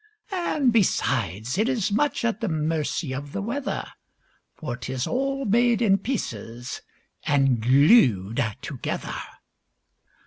And, besides, it is much at the mercy of the weather For 'tis all made in pieces and glued together!